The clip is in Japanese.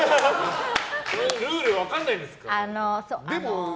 ルール分からないんですか？